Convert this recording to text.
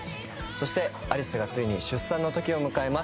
そして有栖がついに出産の時を迎えます